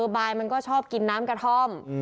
บายมันก็ชอบกินน้ำกระท่อม